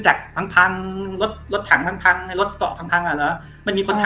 จักรพังรถรถถังพังรถเกาะพังอะรึมันมีคนทำ